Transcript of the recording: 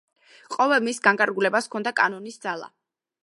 ყოველ მის განკარგულებას ჰქონდა კანონის ძალა.